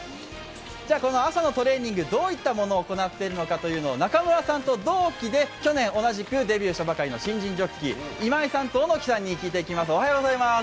朝のトレーニング、どういったものを行っているのかというのを中村さんと同期で去年同じくデビューしたばかりの新人ジョッキー、今井さんと小野木さんに聞いていきます。